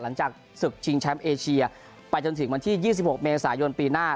หลังจากศึกชิงแชมป์เอเชียไปจนถึงวันที่๒๖เมษายนปีหน้า